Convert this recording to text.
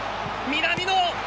南野！